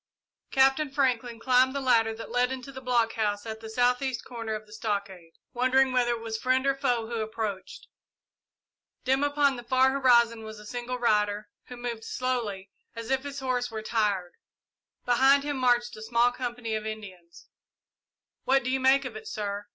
Captain Franklin climbed the ladder that led into the blockhouse at the south east corner of the stockade, wondering whether it was friend or foe who approached. Dim upon the far horizon was a single rider, who moved slowly, as if his horse were tired. Behind him marched a small company of Indians. "What do you make of it, sir?"